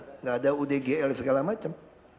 tidak ada udgl dan segala macam